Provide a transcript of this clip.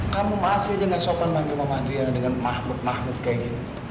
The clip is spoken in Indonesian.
kamu masih aja gak sopan manggil mama adriana dengan mahmud mahmud kayak gitu